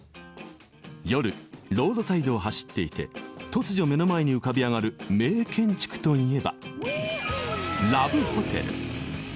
「夜ロードサイドを走っていて突如目の前に浮かび上がる名建築といえばラブホテル！」